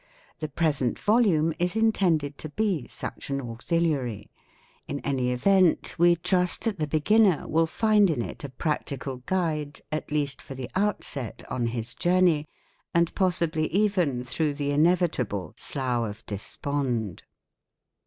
The present volume is intended to be such an auxiliary; in any event we trust that the beginner will find in it a practical guide, at least for the outset, on his journey, and possibly even through the inevi table slough of despond.